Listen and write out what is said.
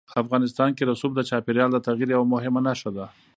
افغانستان کې رسوب د چاپېریال د تغیر یوه مهمه نښه ده.